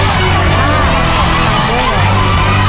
สุดท้ายแล้วครับ